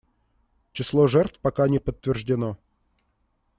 Число жертв пока не подтверждено.